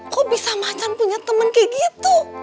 kok bisa macan punya temen kayak gitu